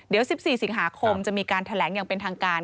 เดี๋ยว๑๔สิงหาคมจะมีการแถลงอย่างเป็นทางการ